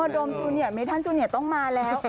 โดมจูเนียเมทันจูเนียต้องมาแล้ว